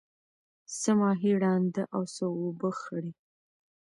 څه ماهی ړانده او څه اوبه خړی.